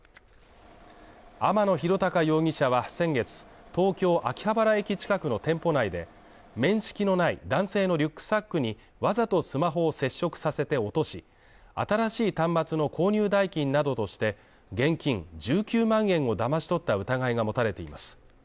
天野博貴容疑者は先月、東京秋葉原駅近くの店舗内で面識のない男性のリュックサックにわざとスマホを接触させて落とし、新しい端末の購入代金などとして現金１９万円をだまし取った疑いが持たれています。